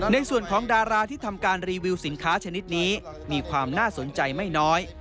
ในส่วนของดาราที่ทำการรีวิวสินค้าชนิดนี้มีความน่าสนใจไม่น้อย